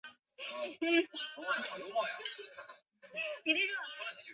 弗拉索夫曾参与一届奥运会的射击比赛。